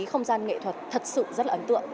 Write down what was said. không gian nghệ thuật thật sự rất là ấn tượng